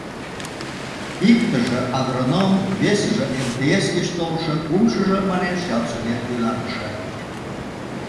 — Иктыже агроном, весыже МТС гыч толшо, кумшыжо, манеш, ялсовет вуйлатыше.